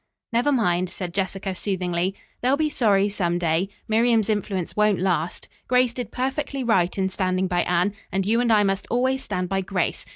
"Never mind," said Jessica soothingly. "They'll be sorry some day. Miriam's influence won't last. Grace did perfectly right in standing by Anne, and you and I must always stand by Grace.